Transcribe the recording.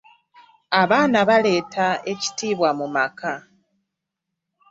Abaana baleeta ekitiibwa mu maka.